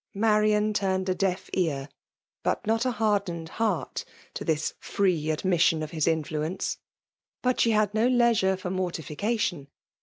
Marian turned a deaf ear, but not a hard ened heart, to this free admission of his in fluence. But she had no leisure for mortifi cation.